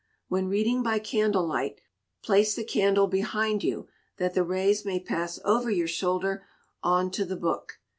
When reading by candle light, place the candle behind you, that the rays may pass over your shoulder on to the book.